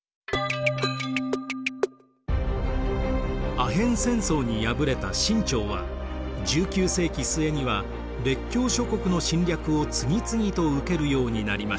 アヘン戦争に敗れた清朝は１９世紀末には列強諸国の侵略を次々と受けるようになりました。